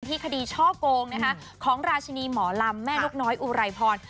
คดีช่อโกงของราชินีหมอลำแม่นกน้อยอุไรพร